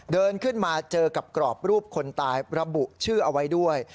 เดินขึ้นมาเจอกับกรอบรูปคนตายระบุชื่อเอาไว้ด้วย